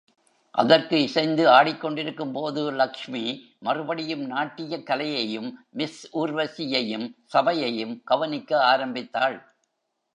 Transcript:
அதற்கு இசைந்து ஆடிக்கொண்டிருக்கும்போது லக்ஷ்மி மறுபடியும் நாட்டியக் கலையையும், மிஸ் ஊர்வசியையும், சபையையும் கவனிக்க ஆரம்பித்தாள்.